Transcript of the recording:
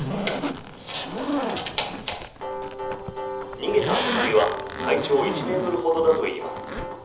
逃げたトカゲは体長１ｍほどだといいます。